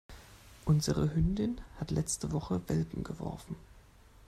Unsere Hündin hat letzte Woche Welpen geworfen.